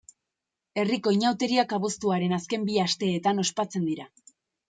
Herriko inauteriak abuztuaren azken bi asteetan ospatzen dira.